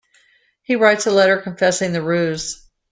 He writes a letter confessing the ruse.